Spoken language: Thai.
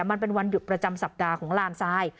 มันเป็นวันหยุดประจำสัปดาห์ของลานทราย